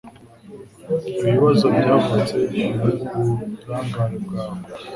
Ibi bibazo byavutse nkuburangare bwawe.